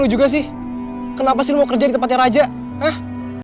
lagi lu juga sih kenapa sih lu mau kerja di tempatnya raja hah